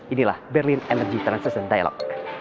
inilah berlin energy transition dialog